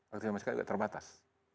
aktivitas masyarakat juga terbatas